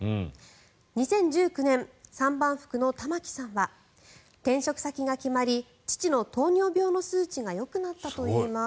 ２０１９年、三番福の玉暉さんは転職先が決まり父の糖尿病の数値がよくなったといいます。